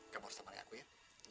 kamu harus tamat dengan aku ya